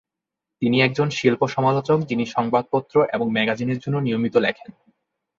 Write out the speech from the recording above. তিনি একজন শিল্প সমালোচক, যিনি সংবাদপত্র এবং ম্যাগাজিনের জন্য নিয়মিত লেখেন।